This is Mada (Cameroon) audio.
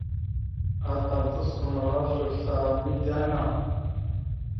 Atal tosəkomala oslo asla mideŋ a.